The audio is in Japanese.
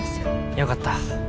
よかった。